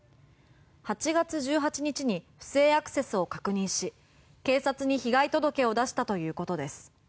８月１８日に不正アクセスを確認し警察に被害届を出したということです。